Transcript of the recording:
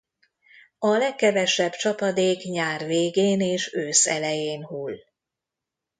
A legkevesebb csapadék nyár végén és ősz elején hull.